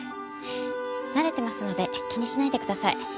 慣れてますので気にしないでください。